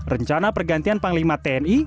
rencana pergantian panglima tni